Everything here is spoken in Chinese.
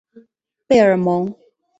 贝尔蒙。